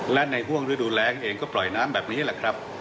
และในห่วงฤดูแรงเองก็ปล่อยน้ำแบบนี้แหละครับ